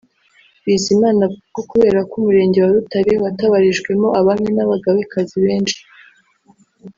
Bizimana avuga ko kubera ko Umurenge wa Rutare watabarijwemo abami n’abagabekazi benshi